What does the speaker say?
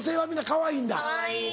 かわいい。